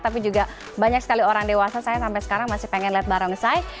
tapi juga banyak sekali orang dewasa saya sampai sekarang masih pengen lihat barongsai